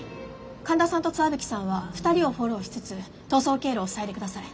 神田さんと石蕗さんは２人をフォローしつつ逃走経路を塞いで下さい。